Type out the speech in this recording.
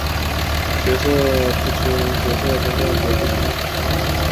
角色不清角色中断角色失败